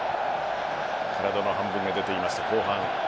体の半分が出ていました。